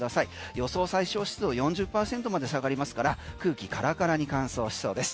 予想最小湿度４０％まで下がりますから空気カラカラに乾燥しそうです。